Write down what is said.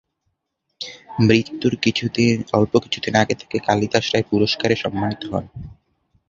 মৃত্যুর অল্প কিছুদিন আগে তিনি কালিদাস রায় পুরষ্কারে সম্মানিত হন।